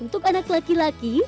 untuk anak laki laki